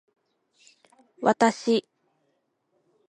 わたし